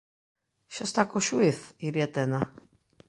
Xa está co xuíz, Iria Tena?